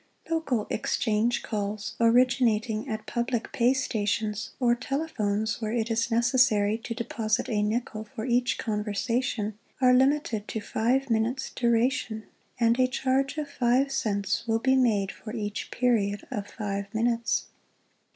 Local Exchange Calls originating at public pay stations or tele ohones where it is necessary to deposit a nickel for each conversation are limited to five minutes duration and a charge of five cents will be made for each period of five minutes.